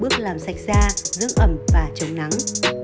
bước làm sạch da dưỡng ẩm và chống nắng